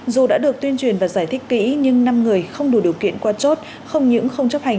dù đã được tuyên truyền và giải thích kỹ nhưng năm người không đủ điều kiện qua chốt không những không chấp hành